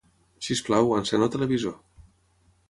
Sisplau, encén el televisor.